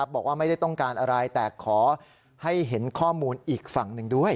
บอกว่าไม่ได้ต้องการอะไรแต่ขอให้เห็นข้อมูลอีกฝั่งหนึ่งด้วย